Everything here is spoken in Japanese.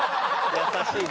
優しいな。